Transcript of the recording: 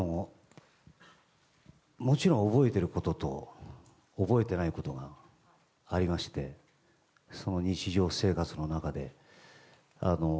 もちろん覚えていることと覚えていないことがありまして日常生活の中で。